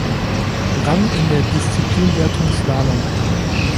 Rang in der Disziplinwertung Slalom.